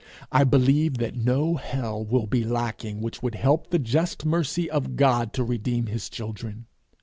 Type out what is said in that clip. I believe that no hell will be lacking which would help the just mercy of God to redeem his children.